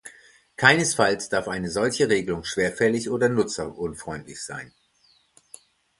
Keinesfalls darf eine solche Regelung schwerfällig oder nutzerunfreundlich sein.